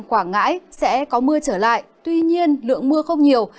quảng ngãi sẽ có mưa trở lại tuy nhiên lượng mưa không nhiều